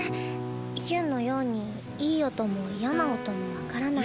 ヒュンのようにいい音も嫌な音も分からない。